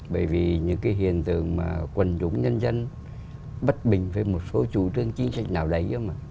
bởi vì những cái hiện tượng mà quần chúng nhân dân bất bình với một số chủ trương chính trị nào đấy